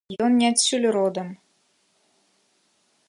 Ён не адсюль родам.